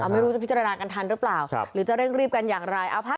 ไม่รู้จะพิจารณากันทันหรือเปล่าหรือจะเร่งรีบกันอย่างไร